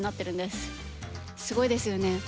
すごいですよね。